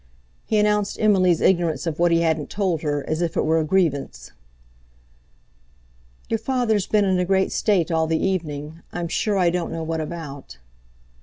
He announced Emily's ignorance of what he hadn't told her, as if it were a grievance. "Your father's been in a great state all the evening. I'm sure I don't know what about."